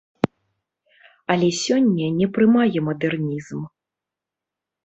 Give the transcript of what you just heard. Але сёння не прымае мадэрнізм.